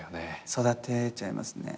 育てちゃいますね。